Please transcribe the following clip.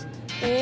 え。